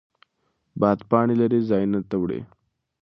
باد پاڼې لرې ځایونو ته وړي.